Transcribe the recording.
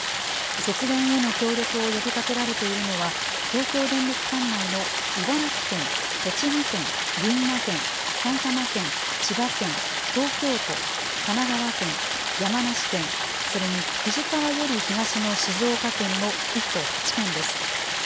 節電への協力を呼びかけられているのは、東京電力管内の茨城県、栃木県、群馬県、埼玉県、千葉県、東京都、神奈川県、山梨県、それに富士川より東の静岡県の１都８県です。